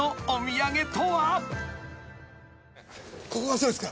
ここがそうですか？